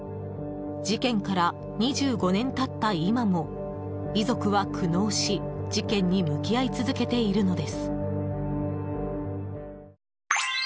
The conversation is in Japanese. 事件から２５年経った今も遺族は苦悩し事件に向き合い続けているのです。